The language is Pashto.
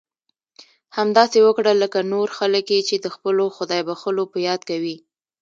همداسې وکړه لکه نور خلک یې چې د خپلو خدای بښلو په یاد کوي.